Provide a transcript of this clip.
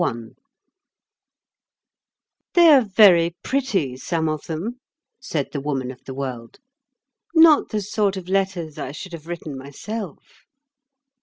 126 I "THEY are very pretty, some of them," said the Woman of the World; "not the sort of letters I should have written myself."